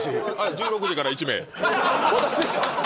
１６時から１名。